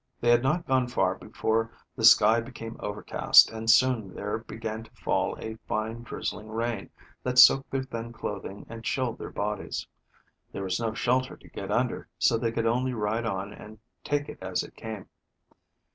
They had not gone far before the sky became overcast, and soon there began to fall a fine, drizzling rain, that soaked their thin clothing and chilled their bodies. There was no shelter to get under, so they could only ride on and take it as it came.